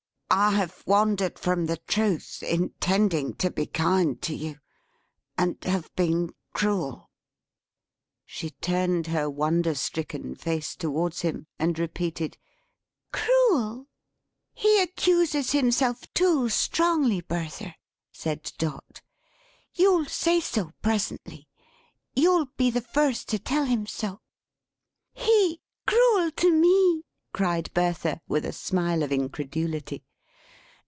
"I have wandered from the Truth, intending to be kind to you; and have been cruel." She turned her wonder stricken face towards him, and repeated "Cruel!" "He accuses himself too strongly, Bertha," said Dot. "You'll say so, presently. You'll be the first to tell him so." "He cruel to me!" cried Bertha, with a smile of incredulity.